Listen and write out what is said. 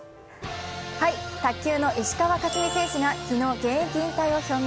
卓球の石川佳純選手が昨日、現役引退を表明。